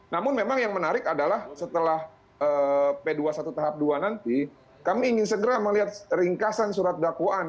namun memang yang menarik adalah setelah p dua puluh satu tahap dua nanti kami ingin segera melihat ringkasan surat dakwaan